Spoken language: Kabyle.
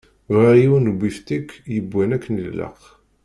Bɣiɣ yiwen ubiftik yewwan akken ilaq.